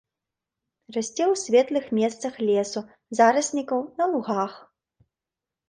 Расце ў светлых месцах лесу, зараснікаў, на лугах.